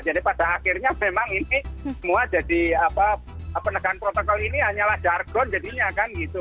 jadi pada akhirnya memang ini semua jadi penegahan protokol ini hanyalah jargon jadinya kan gitu